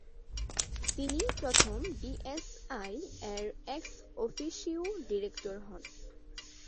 তিনিই প্রথম বিএসআই-এর ex officio director হন।